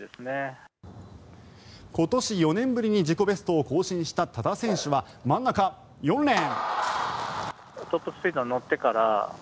今年４年ぶりに自己ベストを更新した多田選手は真ん中、４レーン。